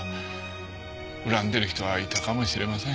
恨んでる人はいたかもしれません。